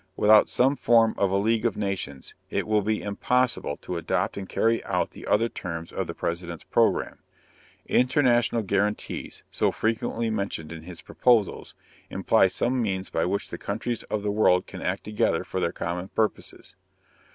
Without some form of a league of nations it will be impossible to adopt and carry out the other terms of the President's program. International guarantees, so frequently mentioned in his proposals, imply some means by which the countries of the world can act together for their common purposes.